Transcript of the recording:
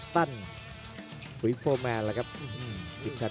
กันต่อแพทย์จินดอร์